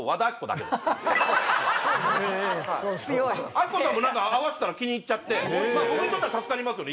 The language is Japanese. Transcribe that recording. アッコさんも会わせたら気に入っちゃって僕にとっては助かりますよね。